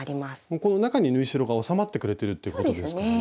この中に縫い代が収まってくれてるっていうことですからね。